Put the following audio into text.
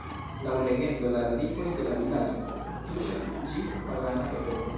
Laŭ legendo la radikoj de la vilaĝo tuŝas ĝis pagana epoko.